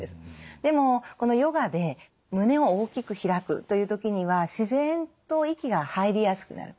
でもこのヨガで胸を大きく開くという時には自然と息が入りやすくなる。